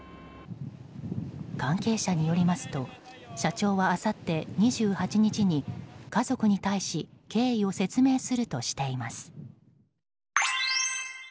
関係者によりますと社長は、あさって２８日に家族に対し経緯を説明するとしています。